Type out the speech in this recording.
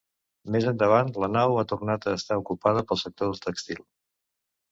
Més endavant la nau ha tornat a estar ocupada pel sector del tèxtil.